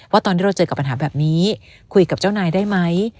ตอนที่เราเจอกับปัญหาแบบนี้คุยกับเจ้านายได้ไหม